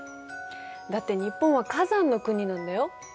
だって日本は火山の国なんだよ。